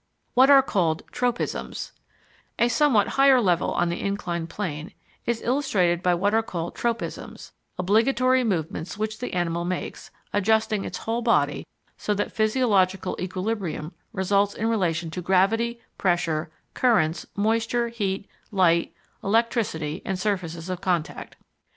What are Called Tropisms A somewhat higher level on the inclined plane is illustrated by what are called "tropisms," obligatory movements which the animal makes, adjusting its whole body so that physiological equilibrium results in relation to gravity, pressure, currents, moisture, heat, light, electricity, and surfaces of contact.